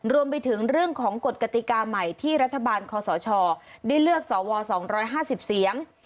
รวมไปถึงเรื่องของกฎกติกาใหม่ที่รัฐบาลคอสชได้เลือกสว๒๕๐เสียง